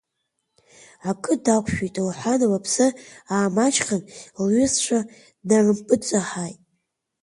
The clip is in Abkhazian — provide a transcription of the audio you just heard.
Акы дақәшәеит, – лҳәан, лыԥсы аамаҷхан, лҩызцәа днарымпыҵаҳаит.